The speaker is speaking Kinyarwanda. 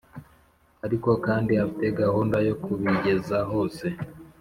ariko kandi afite gahunda yo kubigeza hose